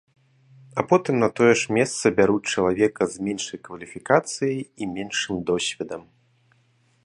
А потым на тое ж месца бяруць чалавека з меншай кваліфікацыяй і меншым досведам.